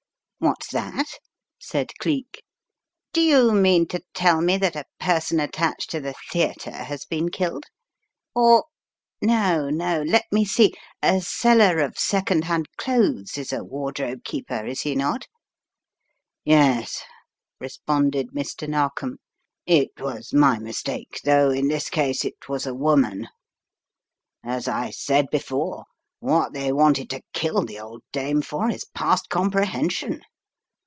" What's that?" said Cleek. "Do you mean to tell me that a person attached to the theatre has been killed? Or — no — no, let me see, a seller of second hand clothes is a wardrobe keeper, is he not?" "Yes," responded Mr. Narkom, "it was my mistake, though in this case it was a woman. As I said before, what they wanted to kill the old dame for is past comprehension.